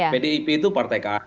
pdip itu partai ka